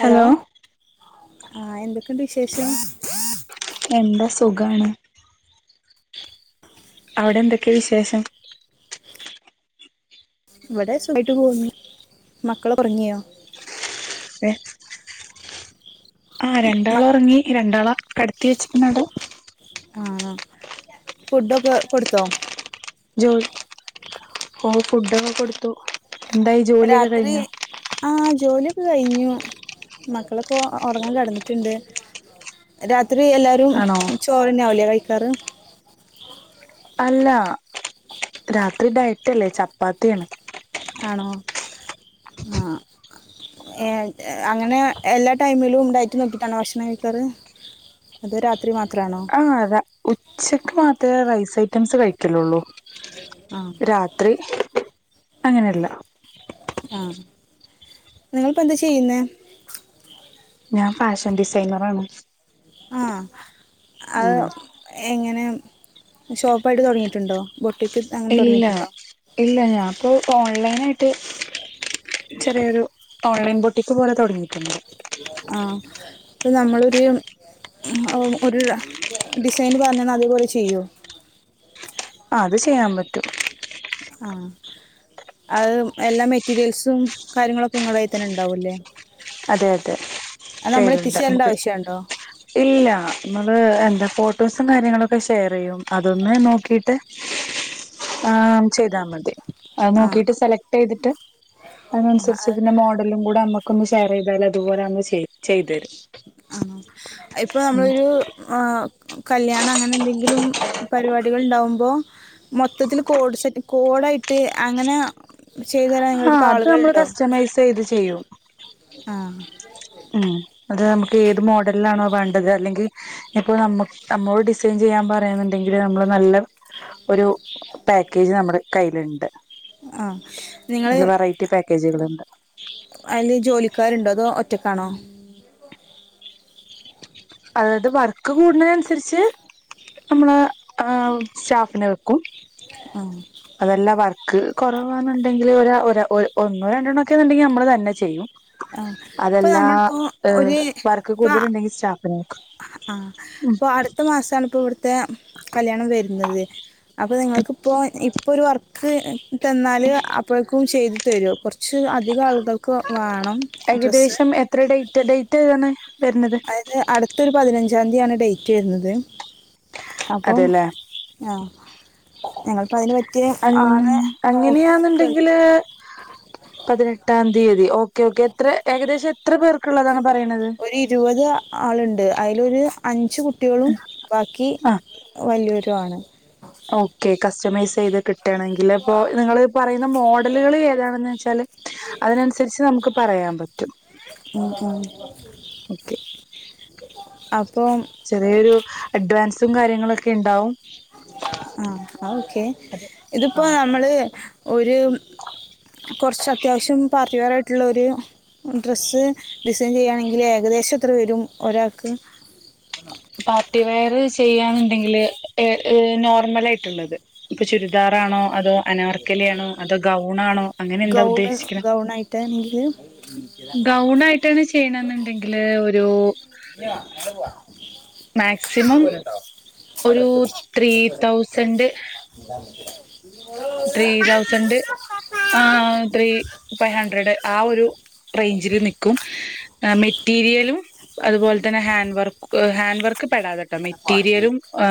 Hello ആ എന്തൊക്കെയുണ്ട് വിശേഷം? എന്താ സുഖാണ്. അവിടെ എന്തൊക്കെയ വിശേഷം? ഇവിടെ സുഖായിട്ട് പോന്ന്. മക്കള് ഒറങ്ങിയോ? തേ ആഹ രണ്ടാള് മക് ഒറങ്ങി രണ്ടാള കടത്തി വെച്ചിക്കുന്നതോ? ആണോ ഫുഡൊക്കെ കൊടുത്തോ? ജോലി ഓ ഫുഡൊക്കെ കൊടുത്തു. എന്തായി ജോലിയൊക്കെ രാത്രി കഴിഞ്ഞോ ആഹ് ജോലി ഒക്കെ കഴിഞ്ഞു. മക്കളൊക്കെ ഒ ഒറങ്ങാൻ കെടന്നിട്ട്ണ്ട്. രാ ത്രി എല്ലാരും ആണോ ചോറന്നെ ആവൂലെ കഴി കരം അല്ല, രാത്രി ഡയറ്റല്ലേ ചപ്പാത്തിയാണ്. ആണോ? ആ അങ്ങനെ എല്ലാ ടൈമിലും ഉണ്ടായിട്ട് നോക്കിയിട്ടാണോ ഭക്ഷണം കഴിക്കാറ്? അതോ രാ ആഹ് അത ഉച്ചക്ക് മാ റ്റേ റൈസ് ഐറ്റംസ് കഴിക്കലുള്ളു? ആ രാത്രി അങ്ങനെയല്ല. നിങ്ങൾപ്പ എന്താ ചെയ്യുന്നെ? ഞാൻ ഫാഷൻ ഡിസൈനറാണ്. ആ അത് ഉം എങ്ങനെയാ? ഷോപ്പായിട്ട് തൊടങ്ങിയിട്ടുണ്ടോ? ബൊട്ടിക്ക് അങ്ങനെ ഇല്ല തൊടങ്ങിയിട്ടുണ്ടോ ഇല്ല ഞാൻപ്പോ ഓൺലൈൻ ആയിട്ട് ചെറിയൊരു ഓൺലൈൻ ബൊട്ടിക്ക് പോലെ തൊടങ്ങി. കം [unintelligible] പ്പ നമ്മളൊരു ഒരു ഡിസൈന് പറഞ്ഞന്ന അതേപോലെ ചെയ്യോ? ആ അത് ചെയ്യാൻ പറ്റും ആഹ് അത് എല്ലാ മെറ്റീരിയൽസും കാര്യങ്ങളൊക്കെ നിങ്ങളെ കയ്യിൽ തന്നെ ഉണ്ടാവൂല്ലേ? അതെ അതെ അത് നമ്മൾ എത്തിച്ചു തരേണ്ട [unintelligible] ആവശ്യണ്ടോ ഇല്ല നമ്മള് ന്താ പോ ഫോട്ടോസും കാര്യങ്ങളൊക്കെ ഷെയർ ചെയ്യും. അതൊന്ന് നോക്കിട്ട് ആ ചെയ്താ മതി. അത് ആഹ് നോക്കിട്ട് സെലക്ട് ചെയ്തിട്ട് അതിനനുസരിച്ച് ഇതിന്റെ മോഡലുംകൂടെ [unintelligible] [unintelligible] അതുപോലെമ്മ ചെയ ചെയ് തരും ആണോ ഇപ്പൊ നമ്മളൊരു ആ കല്യാണം അങ്ങനെ എന്തെങ്കിലും പരിപാടി കുട്ടികലുണ്ടാവുമ്പോൾ മൊത്തത്തിൽ കോഡ് സെറ്റ് കോഡായിട്ട് അങ്ങനെ ചെയ്തു തരാൻ ആഹ നിങ്ങളടുത്ത് അത് നമ്മള് ആളുകളുണ്ടോ കസ്റ്റമൈസ് ചെയ്ത് ചെയ്യും ആ ഉം അത് നമുക്ക് ഏത് മോഡൽ ല്ലാണോ വേണ്ടത് അല്ലെങ്കിൽ ഇപ്പോ ന നമ്മോട് ഡിസൈൻ ചെയ്യാൻ പറയാനണ്ടെങ്കിൽ നമ്മള് നല്ല ഒരു പാക്കേജ് നമ്മള് കയ്യില്ണ്ട് ആ നിങ്ങള് ല്ല വെറൈറ്റി പാക്കേജുകളുണ്ട് അതില് ജോലിക്കാരുണ്ടോ അതോ ഒറ്റക്കാണോ അതായത് വർക്ക് കൂടുന്ന അനുസരിച്ച് നമ്മള് ആ സ്റ്റാഫിനെ വെ കു അ ക്ക് കുറവാണന്നുണ്ടെങ്കിൽ ഒരാ ഒരാ ഒന്നോ രണ്ടെണ്ണ ഒക്കെന്നുണ്ടെങ്കിൽ നമ്മൾ തന്നെ ചെയ്യും ആ ഇപ്പൊ അതെല്ലാ നമ്മളിപ്പോ ആ വർക്ക് കൂടുതലുണ്ടെങ്കിൽ സ്റ്റാഫ് ആ അപ്പൊ അടുത്ത മാസണപ്പോ ത്തെ കല്യാണം വരുന്നത് അപ്പൊ നിങ്ങൾക്ക് ഇപ്പോ ഇപ്പൊ ഒരു വർക്ക് തന്നാല് അപ്പോഴക്കും ചെയ്ത് രോ കുറച്ച് അധിക ആളുകൾക്ക് വേ ഏകദേശം എത്ര ഡേറ്റ് ഡേറ്റ്ഏതാണ് അത് അടുത്തൊരു പതിനഞ്ചാം തീയതിയാണ് ഡേറ്റ് വരുന്നത് അപ്പം അതെല്ലേ ആഹ് ഞങ്ങളിപ്പോ അതിന് പറ്റിയ ആളെ നോക്കി നിക്കായിരുന്നു അങ്ങനെയാന്നണ്ടെങ്കില് പതിനെട്ടാം തീയതി ഓക്കെ ഓക്കെ എത്ര ഏകദേശം എത്ര പേർക്കുള്ളള്ളതാണ് ഒരു ഇരുപത് ആളുണ്ട് അതിലൊരു അഞ്ച് കു കുട്ടികളും ബാക്കി ആഹ് വലിയോരു യാണ് ഓക്കെ കസ്റ്റമൈസ് ചെയ്ത് കിട്ട ണെങ്കിൽ അപ്പോ നിങ്ങള് പറയുന്ന മോഡലുകൾ ഏതാണെന്ന് വെച്ചാല് അതിനനുസരിച്ച് നമുക്ക് പറയാൻ പറ്റും ഉം ഓക്കേ അ ചെറിയൊരു അഡ്വാൻസ് സും കാര്യങ്ങളൊക്കെ ഉണ്ടാവും ആ ഓക്കെ അതെ ആ ഇതിപ്പോ നമ്മള് ഒരു കുറച്ച് അത്യാവശ്യം പറ ചുവറായിട്ടുള്ളൊരു ഡ്രസ്സ് ഡിസൈൻ ചെയ്യുകയാണെങ്കിൽ ഏകദേശം എത്ര വരും ഒരാക്ക് പാർട്ടിവെയർ ചെയ്യാന്നിണ്ടെങ്കില് എ എ നോർമലായിട്ടി ള്ളത് ഇപ്പൊ ചുരിദാറാണോ അതോ അനാർക്കലി ആണോ അതോ ഗൗണാണോ അങ്ങനെ എന്താ ഗൗണ് ഉദ്ദേശിക്കണേ ഗൗണായിട്ട് ആണെങ്കില് കിയാ അങ്ങോട്ടേപോവ മാക്സിമം ഒരു ത്രീ തൗസൻഡ് ത്രീ തൗസൻഡ് ആ ത്രീ ഫൈവ് ഹഡ്രഡ് ആ ഒരുറേറ്റ് ആ റേഞ്ച്ഇല് നിക്കും മെറ്റീരിയലും അത്പോലെ ഹാൻഡ് വർക്ക്‌ ഹാൻഡ് വർക്ക് പെടാതെട്ടോ മെറ്റീരിയലും ആ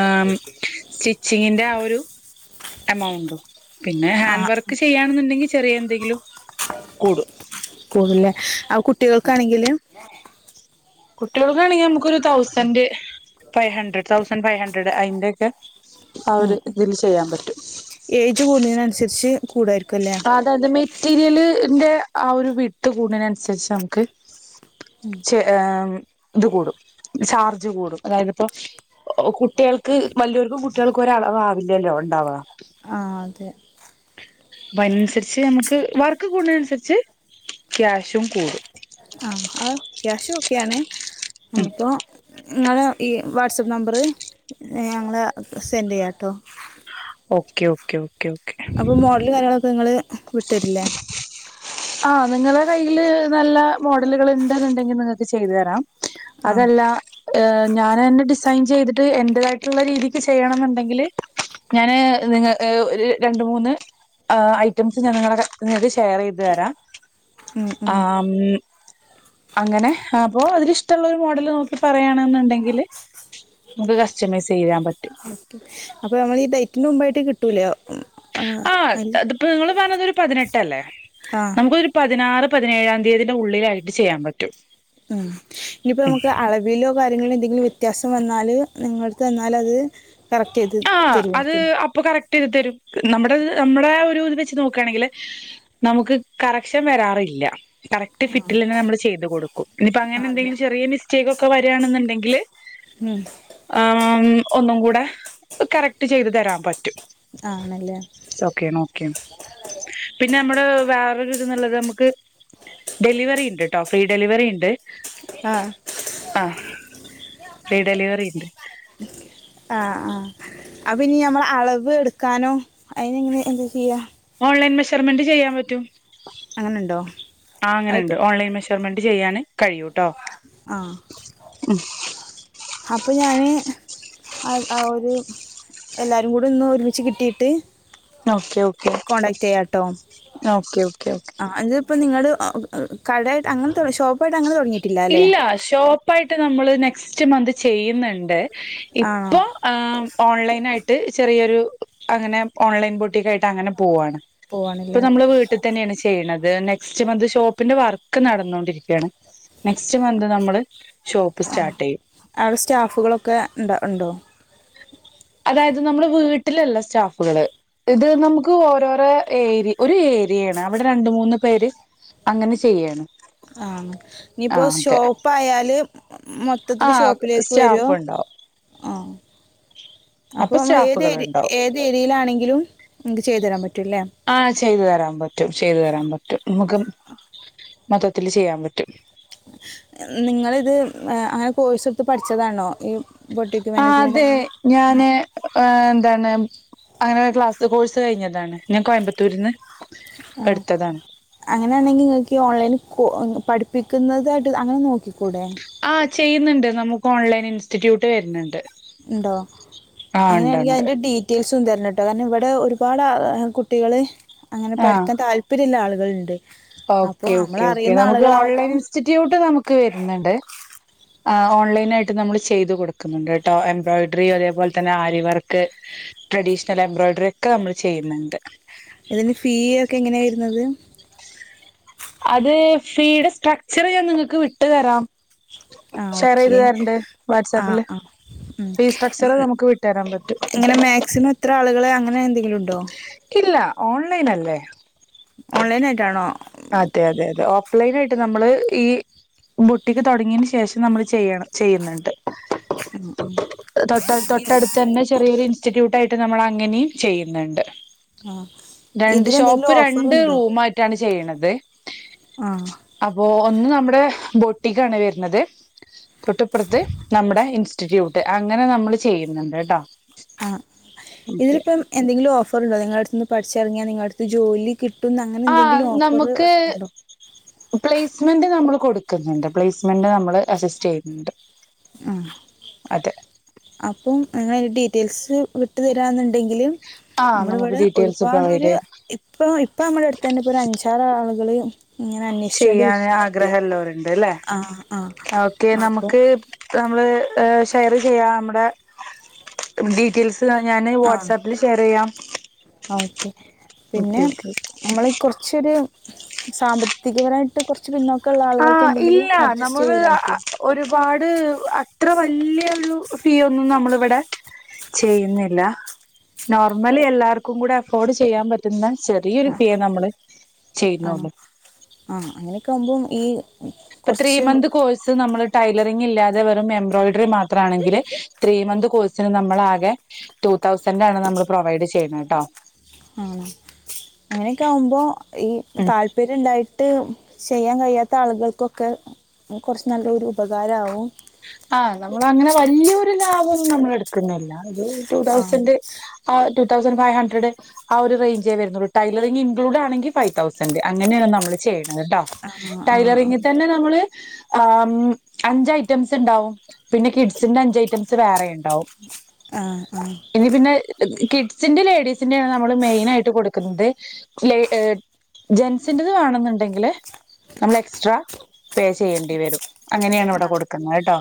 സ്റ്റിച്ചിങ്ങിന്റെ ആ ഒരു എമൗണ്‌ടും പിന്നെ ഹാൻഡ് ആഹ് വർക്ക് ചെയ്യാണെന്നുണ്ടെങ്കിൽ ചെറിയ എന്തെങ്കിലും കൂടും കൂടുല്ലേ ആ കുട്ടികൾക്കാണെങ്കില് കുട്ടികൾക്കാണെങ്കിൽ നമുക്കൊരു thousand five hundred thousand five hundred അയിന്റെയൊക്കെ ആ ഉ ഒരു ഇതിൽ ചെയ്യാൻ ഏജ് കൂടുന്നതിനനുസരിച്ച് കൂടായിരിക്കും അല്ലേ അത് അതമേ മെറ്റീരിയലിന്റെ ആ ഒരു വിഡ്ത് കൂടിന അനുസരിച്ച് നമുക്ക് ചെ അം ഇത് കൂടും ചാർജ് കൂടും അതായത് ഇപ്പോ കുട്ടികൾക്ക് വലിയർക്കും കുട്ടികൾക്കും ഒരളവവില്ലല്ലോ ഉണ്ടാവുക ആഹ് അതെ ആ അതിനനുസരിച്ച് നമക്ക് വർക്ക് കൂഡിനെ അനുസരിച്ച് ക്യാഷും കൂടും ആഹ ആ ക്യാഷ് ക്കെയാണ് ഉം അപ്പൊ നിങ്ങളെ ഈ വാട്സ്ആപ്പ് നമ്പറ് ഞങ്ങള് സെന്റ് ചെയ്യാട്ടോ ഓക്കെ ഓക്കെ ഓക്കെ ഓക്കെ അപ്പൊ മോഡല് കാര്യങ്ങളൊക്കെ നിങ്ങള് വിട്ടരില്ലേ ആഹ നിങ്ങളുടെ കയ്ൽ നല്ല മോഡലുകൾ ഉണ്ടെന്നുണ്ടെങ്കിൽ നിങ്ങൾക്ക് ചെയ്തു തരാം ആഹ് അതല്ല ഞാനന്നെ സൈൻ ചെയ്തിട്ട് എന്റേതായിട്ടുള്ള രീതിക്ക് ചെയ്യണം എന്നുണ്ടെങ്കിൽ ഞാന് നിങ്ങ ഒരു രണ്ട് മൂന്ന് ഐറ്റംസ് ഞാൻ നിങ്ങളുടെ കയ്യി നിങ്ങക്കെ ഷെയർ ചെയ്ത് തരാം ഉം ഉം ആ മൂ അങ്ങനെ ഹപ്പോ അതില് ഇഷ്ട്ടൊള്ളൊരു മോഡല് നോക്കി പറയാണെന്നുണ്ടെങ്കിൽ ചെയ്യാൻ പറ്റും അപ്പൊ നമ്മളീ ഡേറ്റിന്റെ മുമ്പായിട്ട് കിട്ട് ട്ടുലാ ആ അല്ല ഞാനതൊരു പതിനേട്ടല്ലേ? ആഹ് നമുക്കൊരു പതിനാറ് പതിനേഴാം തീയതിന്റെ ഉള്ളിലായിട്ട് ചെയ്യൻ പറ്റ് ഉം ഇനിയിപ്പോ നമുക്ക് അളവിലോ കാര്യങ്ങളി എന്തെങ്കിലും വ്യത്യാസം വന്നാല് നിങ്ങളെടുത്‌ തന്നാലത് ആ അത് അപ്പൊ കറക്റ്റ് തെരും തെരും. നമ്മടെത് നമ്മടെ ഒരു ഇത് വെച്ച് നോക്കാണെങ്കിൽ നമുക്ക് കറക്ഷൻ വരാറില്ല. കറക്റ്റ് ഫിറ്റില്ന്നെ നമ്മള് ചെയ്ത് കൊടുക്കും. ഇനിയിപ്പ അങ്ങനെ ആഹ് അതെ എന്തെങ്കിലും ചെറിയ മിസ്റ്റേക്കൊക്കെ വരാണെന്നുണ്ടെങ്കിൽ ഉം ആ ഒന്നും കൂടെ കറക്റ്റ് ചെയ്ത് തരാൻ പറ്റും. ആണല്ലേ ഒക്കെയാണ് ഒക്കെയാണ്. പിന്നെ നമ്മള് വേറൊര് തിലും നല്ലത് നമുക്ക് ഡെലിവറി ഉണ്ട്ട്ടോ ഫ്രീ ഡെലിവറിയുണ്ട്. ആഹ് ആ ഫ്രീ ഡെലിവറി ഉണ്ട്. അപ്പനി ഞമ്മള് അളവ് എടുക്കാനും അതിനെന്താ ചെയ്യാ ഓൺലൈൻ മെഷർമെന്റ് ചെയ്യാൻ പറ്റും അങ്ങനെണ്ടോ ആ അത് അങ്ങനെണ്ട് ഓൺലൈൻ മെഷർമെന്റ് ചെയ്യാന് കഴിയൂ ട്ടോ ആഹ് ഉം അത് ആ ഒരു എല്ലാരും കൂടെ ഒന്ന് ഒരുമിച്ച് കിട്ടിട്ട് ഓക്കെ ഓക്കെ കോണ്ടാക്ട് ചെയ്യട്ടോ ഓക്കെ ഓക്കെ ഓക്കെ ആ അതിപ്പോ നിങ്ങള് കടയാട്ട് അങ്ങൻതെ ഷോപ്പായിട്ട് അങ്ങനെ തൊ ഇല്ല ഷോപ്പായിട്ട് നമ്മള് നെക്സ്റ്റ് മന്ത് ചെയ്യുന്ന്‌ണ്ട് ആണോ ഇപ്പൊ ആ ഓൺലൈനായിട്ട് ട്ട് ചെറിയൊരു അങ്ങനെ ഓൺലൈൻ ബോട്ടിക്കായിട്ട് അങ്ങനെ പോവാണ് ഇപ്പൊ പോവാണല്ലേ നമ്മള് വീട്ടിത്തന്നെയാണ് ചെയ്യണത് അത് നെക്സ്റ്റ് മന്ത് ഷോപ്പിന്റെ വർക്ക് നടന്നോണ്ടിരിക്കാണ് നെക്സ്റ്റ് മന്ത് നമ്മള് ആ സ്റ്റാർട്ട് ചെയ്യും അവടെ സ്റ്റാഫുകളൊക്കെ ഇണ്ടോ ഒണ്ടോ അതായത് നമ്മുടെ വീട്ടിലല്ല സ്റ്റാഫുകള് ഇത് നമുക്ക് ഓരോരോ ഏരി ഒരു ഏരിയയാണ് അവിടെ രണ്ട് മൂന്ന് പേര് അങ്ങനെ ചെയ്യാണ് ആ ആ ഇനിയിപ്പോ അതെ ഷോപ്പായാല് ആ മൊത്തത്തില് ഷോപ്പിലേക്ക് വരുോ സ്റ്റാഫ് ഉണ്ടാവും ആ അപ്പൊ നമ്മൾ ഏത് സ്റ്റാഫുകൾ ഏരി ഉണ്ടാവും ഏത് ഏരിയയിലാണെങ്കിലും നക്ക് ചെയ്തുതരാൻ പറ്റൂല്ലേ രാൻ പറ്റും ചെയ്തു തരാൻ പറ്റും മുഖം മൊത്തത്തില് ചെയ്യാൻ പറ്റും നിങ്ങളിത് അങ്ങനെ കോഴ്സ് എടുത്ത് പഠിച്ചതാണോ ഈ ബൊട്ടിക് ആ മാനേജ്മെന്റ് അതെ അങ്ങനെ ഞാന് ഏ എന്താണ് അങ്ങനൊരു ക്ലാസ്ത്തെ കോഴ്സ് കഴിഞ്ഞതാണ് ഞാൻ കോയമ്പത്തൂര്ന്ന് ആ അങ്ങനെയാണെങ്കി ഇങ്ങൾക്ക് ഈ ഓൺലൈൻ കൊ പഠിപ്പിക്കുന്നതായിട്ട് അങ്ങനെ നോക്കിക്കൂടെ ആ ചെയ്യുന്നുണ്ട് നമു ഓൺലൈൻ ഇൻസ്റ്റിറ്റ്യൂട്ട് വെര്ണ്ണ്ട് ണ്ടോ അങ്ങനെയാണെങ്കിൽ ഉണ്ട് അതിന്റെ ഡീറ്റെൽസ് തൊന്ന് തരണം ട്ടോ കാരണം ഇവിടെ ഒരുപാട് ആ കുട്ടികള് അങ്ങനെ ആ പഠിക്കാൻ താല്പര്യം ള്ള ആള് കൾണ്ട് ഓക്കെ ഓക്കേ ഓക്കെ നമുക്ക് ഓൺലൈൻ ഇൻസ്റ്റിറ്റ്യൂട്ട് നമുക്ക് വരുന്നുണ്ട് ആ ഓൺലൈൻ ആയിട്ട് നമ്മൾ ചെയ്ത് കൊടുക്കുന്നുണ്ട് ട്ടോ എംബ്രോയ്ഡറി അതേപോലെ തന്നെ ആരിവർക്ക് ട്രഡീഷണൽ എംബ്രോയിഡറി ഒക്കെ നമ്മൾ ചെയ്യുന്നുണ്ട് ഇതിന് ഫീ ഒക്കെ എങ്ങനെയാ വരുന്നത് അത് ഫീ ടെ സ്ട്രക്ചർ ഞാൻ നിങ്ങക്ക് വിട്ടു തരാം ആ ഷെയർ ഓക്കെ ചെയ്ത് തരണ്ട് ആ വാട്സാപ്പില് ആ ഉം ഫീ സ്ട്രക്ചർ ഉം നമുക്ക് വിട്ടുതരാൻ പറ്റും എങ്ങനെ മാക്സിമം എത്ര ആളുകളെ അങ്ങനെ എന്തെങ്കിലും ഉണ്ടോ ഇല്ല ഓൺലൈൻ അല്ലേ ഓൺലൈനായിട്ടാണോ അതെ അതെ അതെ ഓഫ്‌ലൈൻ ആയിട്ട് നമ്മള് ഈ ബോട്ടിക് തുടങ്ങിയയിന് ശേഷം നമ്മൾ ചെയ്യണം ചെയ്യുന്നുണ്ട് തൊട്ട തൊട്ടടുത്ത് തന്നെ ചെറിയൊരു ഇൻസ് ഇൻസ്റ്റിറ്റ്യൂട്ടായിട്ട് നമ്മൾ അങ്ങനെയും ചെയ്യുന്നുണ്ട് ആഹ് രണ്ട് ഷോപ്പ് ഇതിനെന്തെങ്കിലും രണ്ട് ഓഫറുണ്ടോ റൂമായിട്ടാണ് ചെയ്യണത് ആഹ് അപ്പോ ഒന്ന് നമ്മുടെ ബോട്ടിക്കാണ് വരുന്നത് തൊട്ടിപ്പുറത്ത് നമ്മുടെ ഇൻസ്റ്റിറ്റ്യൂ ട്ട് അങ്ങനെ നമ്മൾ ചെയ്യുന്നുണ്ട് ട്ടോ ആ ഇതിലിപ്പം എന്തെങ്കിലും ഓഫർ ണ്ടോ നിങ്ങളെടുതുനിന്ന് പഠിച്ചിറങ്ങ്യ നിങ്ങളടുത്ത് ജോലി കിട്ടുംന്ന് അങ്ങനെ ആ എന്തെങ്കിലും ഓഫർ നമുക്ക് വെക്കുന്നുണ്ടോ പ്ലേസ്മെന്റ നമ്മള് കൊടുക്കുന്നുണ്ട് പ്ലേസ്മെന്റ നമ്മൾ അസിസ്റ്റ് ചെയ്യുന്നുണ്ട് ആ അതെ ആ അപ്പം ങ്ങളയിന്റെ ഡീറ്റെയിൽസ് വിട്ടു തരാന്നുണ്ടെങ്കില് ആ നമ്മുടെ നമുക്ക് ഇവിടെ ഡീറ്റെയിൽസ് ഒരുപാട് ഒരു പ്രൊവൈഡ് ഇപ്പൊ ഇപ്പ നമ്മുടെ അടുത്തന്നെ ഇപ്പോ ഒരു അഞ്ചുആറാള് ങ്ങള് ചെയ്യാൻ ആഗ്രഹം ഒള്ളോരുണ്ട് അല്ലേ ആഹ് ആഹ് ഓക്കെ അപ്പൊ നമുക്ക് നമ്മള് ഷെയർ ചെയ്യാ നമ്മുടെ ഡീറ്റെയിൽസ് ഞാൻ ആഹ് വാട്സപ്പിൽ ഷെയർ ചെയ്യാം ഓക്കെ ഓക്കെ പിന്നെ ഓക്കെ നമ്മളീ കുറച്ചൊരു സാമ്പത്തികപരമായിട്ട് കുറച്ച് പിന്നോ ആ ഇല്ല നമ്മള് പറ്റുവോ ഒരുപാട് അത്ര വലിയൊരു ഫീ ഒന്നും നമ്മളിവിടെ ചെയ്യുന്നില്ല നോർമലി എല്ലാവർക്കൂടെ അഫോർഡ് ചെയ്യാൻ പറ്റുന്ന ചെറിയൊരു ആഹ് ഫിയ് നമ്മള് ആണോ ചെയ്യുന്നുള്ളു ആഹ് അങ്ങനെയൊക്കെ ആകുമ്പോം ഈ ഇപ്പ ത്രീ കുറച്ച് മന്ത് കോഴ്സ് നമ്മള് ടൈല റിങ്ങില്ലാതെ വെറും എംബ്രോയിഡറി മാത്രം- ആണെങ്കിൽ ത്രീ മന്ത് നമ്മൾ ആകെ ടു തൗസൻഡ് ആണ് നമ്മൾ പ്രൊവൈഡ് ചെയ്യുന്നത് കേട്ടോ അങ്ങനെയൊക്കെ ആകുമ്പോ ഈ ഉം താല്പര്യം ഉണ്ടായിട്ട്- ചെയ്യാൻ കഴിയാത്ത ആളുകൾക്കൊക്കെ കൊറച്ച് നല്ല ഒരു ഉപകാരം ആവും ആഹ് നിക്കുന്നില്ല ഒരു ടു ആഹ് തൗസൻഡ് ആ ടു തൗസഡ് ഫൈവ് ഹണ്ട്രഡ് ആ ഒരു റേയ്ഞ്ചേ വരുന്നുള്ളു ടൈലറിംഗ്- ൻക്ലൂട് ആണെങ്കിൽ ഫൈവ് ഇഗ്യൂട്ട് തൗസൻഡ് അങ്ങനെയാണ് നമ്മള് ചെയ്യണത് കേട്ടോ ആഹ് ആഹ് ടൈലറിംഗിൽ തന്നെ നമ്മള്- ആ അഞ്ച് ഐറ്റംസ് ഉണ്ടാവും പിന്നെ കിഡ്സിന്റെ അഞ്ച് ഐറ്റംസ് വേറെയുമുണ്ട്- ഉണ്ടാവും ആഹ് ആഹ് ഇനി പിന്നെ- കിഡ്സിന്റെ ലേഡീസിൻ്റെയാണ് നമ്മള് മെയിൻ ആയിട്ട് കൊടുക്കുന്നത് ലേ ജെന്റ്സിൻ്റെ വേണെന്നുണ്ടങ്കില്- നമ്മൾ എക്സ്ട്രാ പേ ചെയ്യേണ്ടി വരും അങ്ങനെയാണ് ഇവിടെ ആഹ് കൊടുക്ക- കേട്ടോ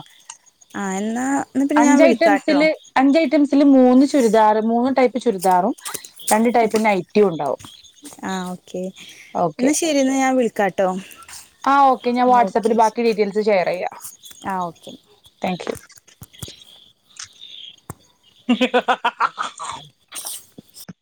എന്നാ എന്നാ പിന്നെ ഞാൻ അഞച് വിളിക്കാട്ടോ ഐറ്റംസില് - ഐറ്റംസിൽ മൂന്ന് ചുരിദാർ മൂന്ന്, ടൈപ്പ് ചുരിദാറും രണ്ട് ടൈപ്പ് നയിറ്റി ഉണ്ടാവും ആഹ് ഓക്കെ ഓക്കെ എന്നാ ശരിയന്ന് ഞാൻ വിളിക്കാട്ടോ ആ ഓക്കെ ഞാൻ വാട്സ്ആപ്പിൽ ഓക്കെ ശരി ബാക്കി ഡീറ്റെയിൽസ് ഷെയർ ചെയ്യാം ആഹ് ഓക്കെ താങ്ക് യു ഹിഹി ഹി ഹ